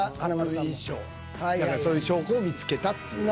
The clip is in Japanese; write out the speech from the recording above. だからそういう証拠を見つけたっていう。